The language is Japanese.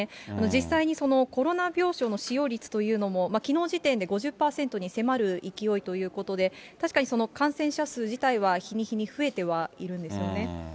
実際にコロナ病床の使用率というのも、きのう時点で５０％に迫る勢いということで、確かに感染者数自体は日に日に増えてはいるんですよね。